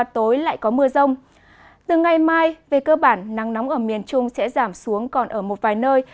từ ngày mai về cơ bản nắng nóng ở miền trung sẽ giảm xuống còn ở một vài nơi